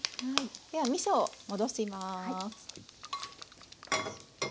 ではみそを戻します。